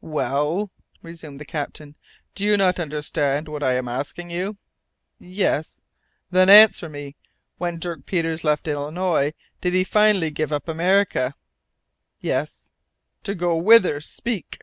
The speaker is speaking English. "Well!" resumed the captain, "do you not understand what I am asking you?" "Yes." "Then answer me. When Dirk Peters left Illinois, did he finally give up America?" "Yes." "To go whither? Speak!"